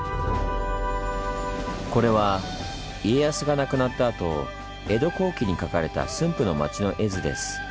これは家康が亡くなったあと江戸後期に描かれた駿府の町の絵図です。